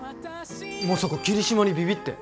まさか桐島にビビって。